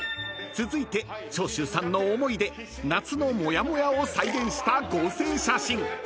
［続いて長州さんの思い出夏のモヤモヤを再現した合成写真］